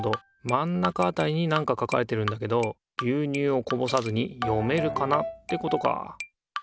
まん中あたりになんか書かれてるんだけど「牛乳をこぼさずに、読めるかな？」ってことか。